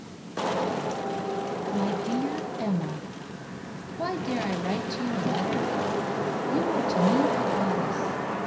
F. My dear Emma: Why dare I write to you a letter? You are to me a goddess!